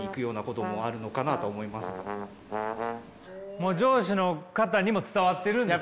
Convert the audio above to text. もう上司の方にも伝わってるんですね。